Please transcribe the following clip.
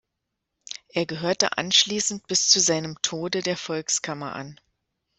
Er gehörte anschließend bis zu seinem Tode der Volkskammer an.